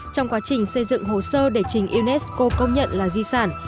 trong quá trình xây dựng hồ sơ để trình unesco công nhận là di sản